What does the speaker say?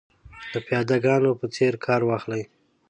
د پیاده ګانو په څېر کار واخلي.